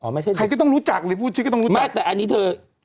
ไม่ใช่ใครก็ต้องรู้จักหรือพูดชื่อก็ต้องรู้จักแต่อันนี้เธอ